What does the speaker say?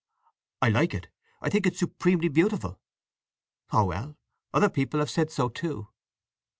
"I—like it. I think it supremely beautiful!" "Ah well—other people have said so too.